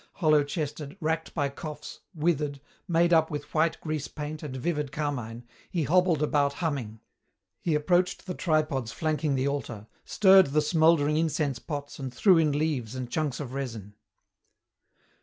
Hollow chested, racked by coughs, withered, made up with white grease paint and vivid carmine, he hobbled about humming. He approached the tripods flanking the altar, stirred the smouldering incense pots and threw in leaves and chunks of resin.